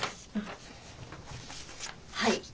はい。